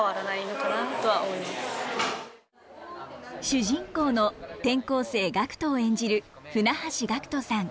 主人公の転校生ガクトを演じる船橋岳斗さん。